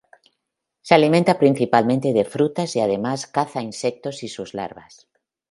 Se alimenta principalmente de frutas y además caza insectos y sus larvas.